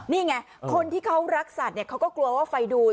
นี่ไงคนที่เขารักสัตว์เขาก็กลัวว่าไฟดูด